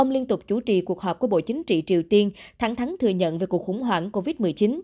vì cuộc họp của bộ chính trị triều tiên thắng thắng thừa nhận về cuộc khủng hoảng covid một mươi chín